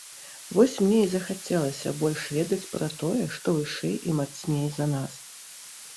Вось мне і захацелася больш ведаць пра тое, што вышэй і мацней за нас.